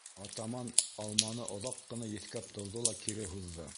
Атаман алманы оҙаҡ ҡына еҫкәп торҙо ла кире һуҙҙы.